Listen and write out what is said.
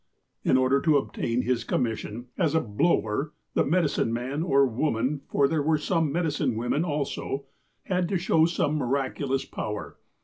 In order to obtain his commission, as a " blower," the medicine man or woman, for there were some medicine women also, had to show some miraculous power.